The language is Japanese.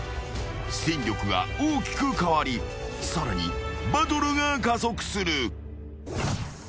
［戦力が大きく変わりさらにバトルが加速する］